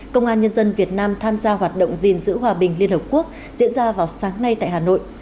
công an nhân dân việt nam tham gia hoạt động gìn giữ hòa bình liên hợp quốc diễn ra vào sáng nay tại hà nội